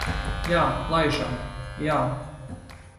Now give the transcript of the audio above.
Jā, laižam. Jā.